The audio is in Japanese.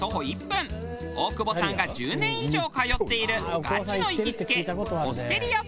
大久保さんが１０年以上通っているガチの行きつけ。